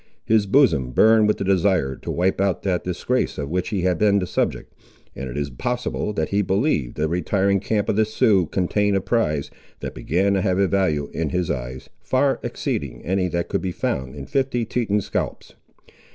His bosom burned with the desire to wipe out that disgrace of which he had been the subject; and it is possible, that he believed the retiring camp of the Siouxes contained a prize, that began to have a value in his eyes, far exceeding any that could be found in fifty Teton scalps.